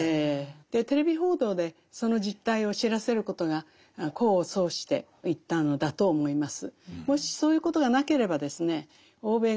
テレビ報道でその実態を知らせることが功を奏していったのだと思います。